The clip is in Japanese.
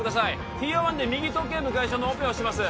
ＴＯ１で右頭頸部外傷のオペをします